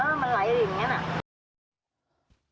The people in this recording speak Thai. เออมันไหลอยู่อย่างนี้นะ